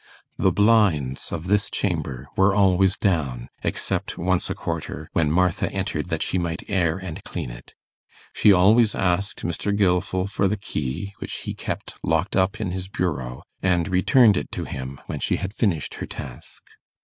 The blinds of this chamber were always down, except once a quarter, when Martha entered that she might air and clean it. She always asked Mr. Gilfil for the key, which he kept locked up in his bureau, and returned it to him when she had finished her task.